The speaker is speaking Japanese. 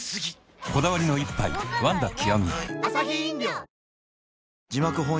こだわりの一杯「ワンダ極」